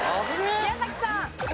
宮崎さん。